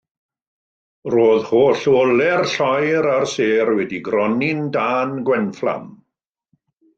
Roedd holl olau'r lloer a'r sêr wedi'i gronni'n dân gwenfflam.